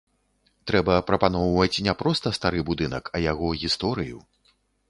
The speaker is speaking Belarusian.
Трэба прапаноўваць не проста стары будынак, а яго гісторыю.